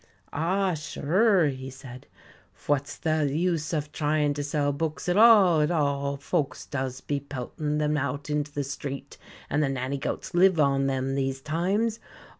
"Ah, sure," he said, "fwhat's the use uv tryin' to sell books at all, at all; folks does be peltin' them out into the street, and the nanny goats lives on them these times.